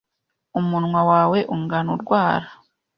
umunwa wawe ungana urwara,